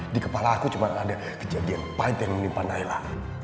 di kepala aku cuma ada kejadian pahit yang menimpa naila